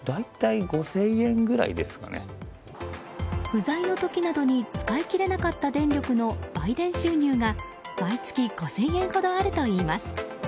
不在の時などに使いきれなかった電力の売電収入が毎月５０００円ほどあるといいます。